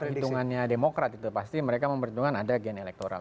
hitungannya demokrat itu pasti mereka mempertimbangkan ada gain elektoral